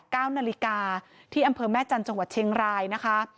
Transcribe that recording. เก้านาฬิกาที่อำเภอแม่จันทร์จังหวัดเชียงรายนะคะ